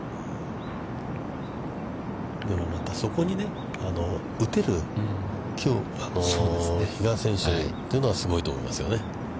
でも、またそこに打てるきょうの比嘉選手というのはすごいと思いますよね。